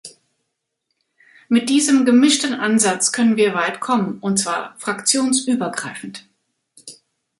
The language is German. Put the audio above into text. Mit diesem gemischten Ansatz können wir weit kommen, und zwar fraktionsübergreifend.